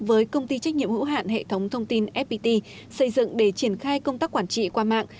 với công ty trách nhiệm hữu hạn hệ thống thông tin fpt xây dựng để triển khai công tác quản trị qua mạng